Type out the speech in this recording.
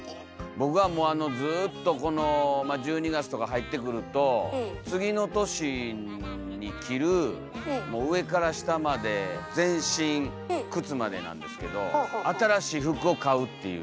僕はもうずっとこの１２月とか入ってくると次の年に着る上から下まで全身靴までなんですけど新しい服を買うっていう。